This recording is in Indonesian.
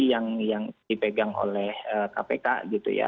yang dipegang oleh kpk gitu ya